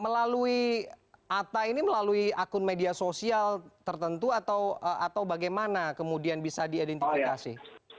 melalui atta ini melalui akun media sosial tertentu atau bagaimana kemudian bisa diidentifikasi